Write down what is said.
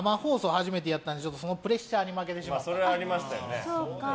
初めてやったのでそのプレッシャーに負けてしまった。